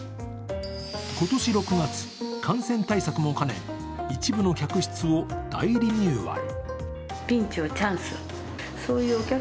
今年６月、感染対策も兼ね、一部の客室を大リニューアル。